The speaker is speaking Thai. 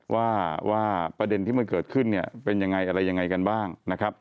ว่าประเด็นที่เมื่อเกิดขึ้นเป็นอย่างไรอะไรอย่างไรกันบ้าง